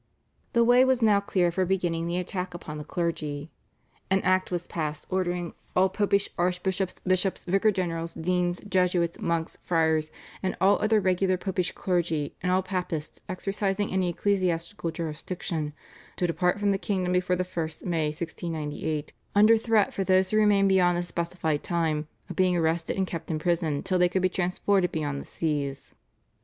" The way was now clear for beginning the attack upon the clergy. An Act was passed ordering "all Popish archbishops, bishops, vicars general, deans, Jesuits, monks, friars, and all other regular Popish clergy, and all Papists exercising any ecclesiastical jurisdiction" to depart from the kingdom before the 1st May 1698, under threat for those who remained beyond the specified time, of being arrested and kept in prison till they could be transported beyond the seas.